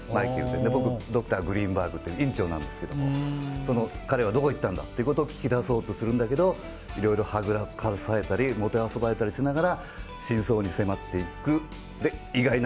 僕はドクターグリーンバーグって院長なんですけど彼はどこ行ったんだと聞き出そうとするんだけどいろいろはぐらかされたりもてあそばれたりしながら真相に迫っていく。